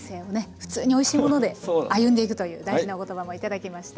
ふつうにおいしいもので歩んでいくという大事なお言葉も頂きました。